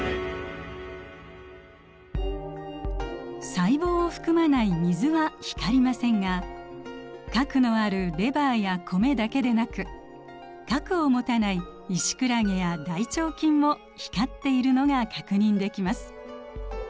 細胞を含まない水は光りませんが核のあるレバーや米だけでなく核を持たないイシクラゲや大腸菌も光っているのが確認できます。